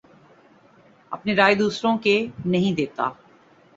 اپنے رائے دوسروں کے نہیں دیتا